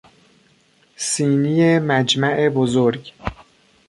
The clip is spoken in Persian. سینی مجمع بزرگ